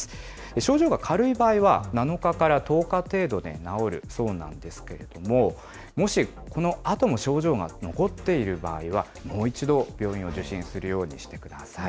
症状が軽い場合は、７日から１０日程度で治るそうなんですけれども、もし、このあとも症状が残っている場合は、もう一度、病院を受診するようにしてください。